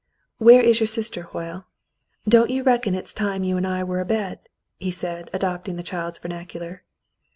"Where is your sister, Hoyle .^^ Don't you reckon it's time you and I were abed ?" he asked, adopting the child's vernacular.